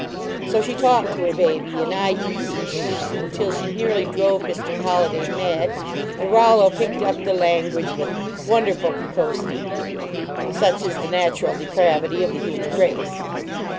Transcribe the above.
So she talked to her baby in "ie s" and "sh s" until she nearly drove Mr. Holliday mad, and Rollo picked up the language with wonderful precocity, such is the natural depravity of the human race.